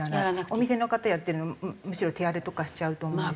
お店の方やってるのむしろ手荒れとかしちゃうと思うんですね。